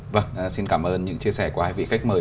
vâng xin cảm ơn những chia sẻ của hai vị khách mời